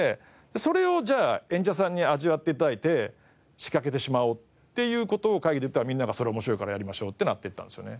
それをじゃあ演者さんに味わって頂いて仕掛けてしまおうっていう事を会議で言ったらみんながそれ面白いからやりましょうってなっていったんですよね。